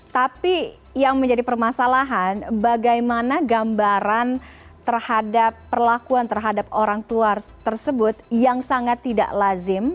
tapi yang menjadi permasalahan bagaimana gambaran terhadap perlakuan terhadap orang tua tersebut yang sangat tidak lazim